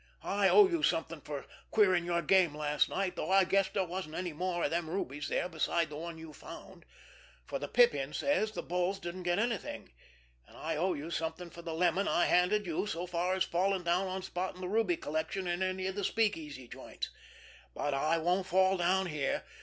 I owe you something for queering your game last night, though I guess there wasn't any more of them rubies there besides the one you found, for the Pippin says the bulls didn't get anything, and I owe you something for the lemon I've handed you so far in falling down on spotting the ruby collection in any of the speak easy joints; but I won't fall down here.